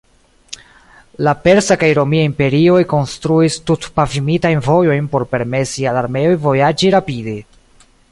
La persa kaj romia imperioj konstruis tut-pavimitajn vojojn por permesi al armeoj vojaĝi rapide.